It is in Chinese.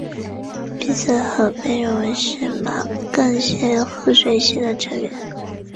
皮斯河被认为是马更些河水系的正源。